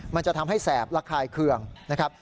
มันจะทำให้แสบระคายเคืองนะครับ